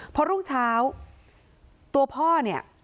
พอรุ่งเช้าตัวพ่อเนี่ย